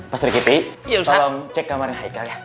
pak sri kitty tolong cek kamarnya haikal ya